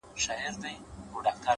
مثبت ذهن نوې دروازې ویني